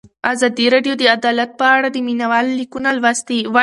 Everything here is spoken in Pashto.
ازادي راډیو د عدالت په اړه د مینه والو لیکونه لوستي.